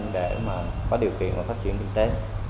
để mà có điều kiện phát triển kinh tế